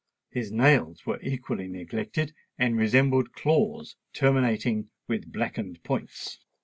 His nails were equally neglected, and resembled claws terminating with blackened points.